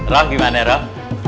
lam gimana ram